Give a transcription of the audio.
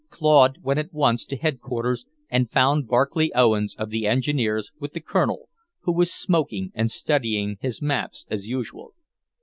Claude went at once to Headquarters and found Barclay Owens, of the Engineers, with the Colonel, who was smoking and studying his maps as usual.